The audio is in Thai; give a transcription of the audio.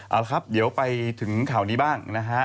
เอาละครับเดี๋ยวไปถึงข่าวนี้บ้างนะฮะ